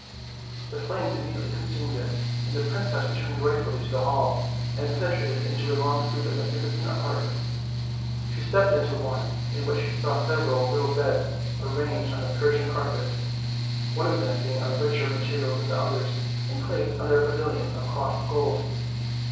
The flames immedi ately consumed it; and the princess returned joyfully to the hall, and penetrated into a long suit of magnificent apartments. She stopped in one, in which she saw sev eral little beds arranged on a Persian carpet, one of them being of richer materials than the others, and placed under a pavilion of cloth of gold.